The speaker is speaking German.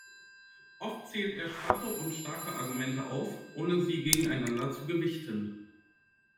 Oft zählt er schwache und starke Argumente auf, ohne sie gegeneinander zu gewichten.